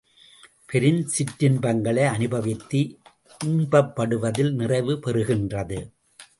பெரும் சிற்றின்பங்களை அனுபவித்து இன்பப்படுவதில் நிறைவு பெறுகின்றது.